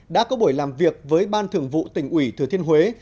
đã có buổi làm việc với ban thường vụ tỉnh ủy thừa thiên huế